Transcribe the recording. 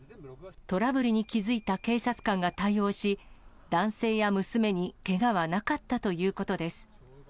トラブルに気付いた警察官が対応し、男性や娘にけがはなかったということです。